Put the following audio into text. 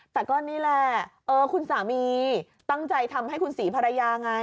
แต่ก็นี่แหละคุณสามีตั้งใจทำให้คุณศรีภรรยาไง